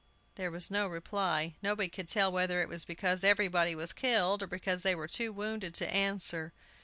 There was no reply. Nobody could tell whether it was because everybody was killed, or because they were too wounded to answer.